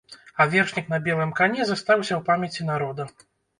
А вершнік на белым кані застаўся ў памяці народа.